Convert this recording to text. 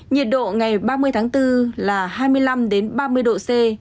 nhiệt độ ngày ba mươi tháng bốn là hai mươi năm ba mươi độ c